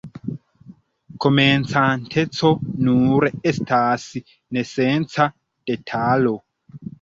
Komencanteco nur estas nesenca detalo.